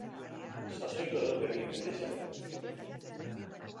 Sasoiko daude bi mendizaleak.